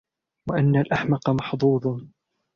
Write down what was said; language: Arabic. وَأَنَّ الْأَحْمَقَ مَحْظُوظٌ